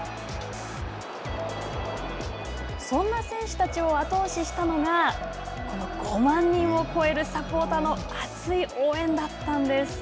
そんな選手たちを後押ししたのがこの５万人を超えるサポーターの熱い応援だったんです。